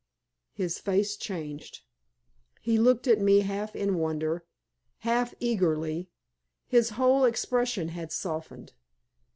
His face changed. He looked at me half in wonder, half eagerly; his whole expression had softened.